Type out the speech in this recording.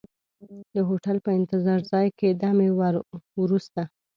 د هوټل په انتظار ځای کې دمې وروسته.